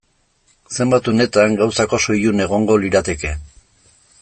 Zenbait unetan gauzak oso ilun egongo lirateke.